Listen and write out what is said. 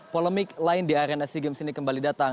polemik lain di arena sigims ini kembali datang